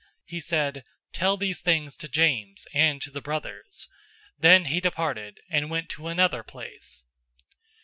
He said, "Tell these things to James, and to the brothers." Then he departed, and went to another place.